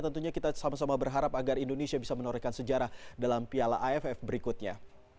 tentunya kita sama sama berharap agar indonesia bisa menorehkan sejarah dalam piala aff berikutnya